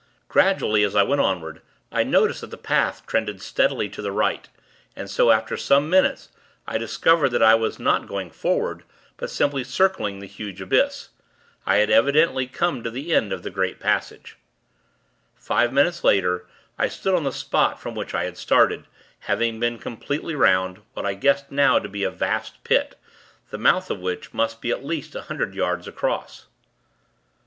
Gradually, as I went onward, I noticed that the path trended steadily to the right, and so, after some minutes, I discovered that I was not going forward; but simply circling the huge abyss. I had, evidently, come to the end of the great passage. Five minutes later, I stood on the spot from which I had started; having been completely 'round, what I guessed now to be a vast pit, the mouth of which must be at least a hundred yards across.